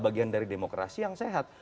bagian dari demokrasi yang sehat